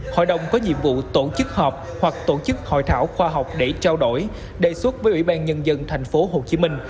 hội đồng có nhiệm vụ tổ chức họp hoặc tổ chức hội thảo khoa học để trao đổi đề xuất với ủy ban nhân dân tp hcm